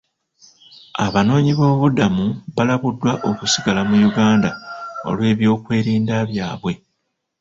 Abanoonyiboobubudamu balabuddwa okusigala mu Uganda olw'ebyokwerinda byabwe.